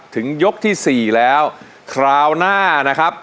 ถึงยกที่สี่แล้วคราวหน้านะครับ